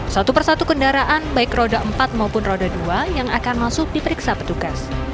satu persatu kendaraan baik roda empat maupun roda dua yang akan masuk diperiksa petugas